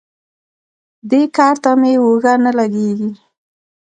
دې کار ته مې اوږه نه لګېږي.